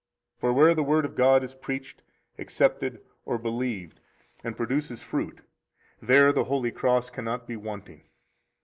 For where the Word of God is preached, accepted, or believed, and produces fruit, there the holy cross cannot be wanting.